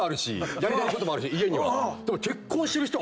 やりたいこともあるし家には。